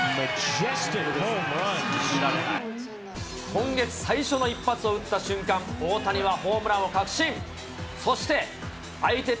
今月最初の一発を打った瞬間、大谷はホームランを確信。